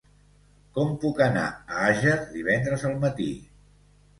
Com puc anar a Àger divendres al matí?